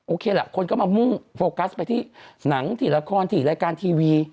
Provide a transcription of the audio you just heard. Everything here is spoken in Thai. แหละคนก็มามุ่งโฟกัสไปที่หนังที่ละครที่รายการทีวี